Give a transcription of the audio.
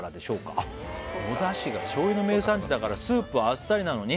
あっ野田市が醤油の名産地だから「スープはあっさりなのに」